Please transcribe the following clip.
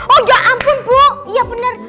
oh ya ampun bu iya bener